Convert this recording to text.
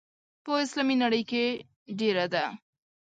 په اسلامي نړۍ کې ډېره ده.